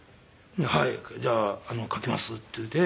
「はい。じゃあ描きます」って言うて。